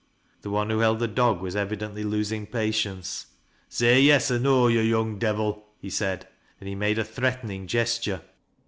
The one who held the dog was evidently losing patience. " Say yea or no, yo' young devil," he said, and he made a threatening gesture.